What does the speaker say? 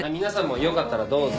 皆さんもよかったらどうぞ。